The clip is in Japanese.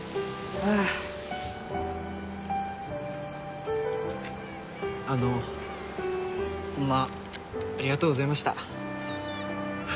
あああのホンマありがとうございました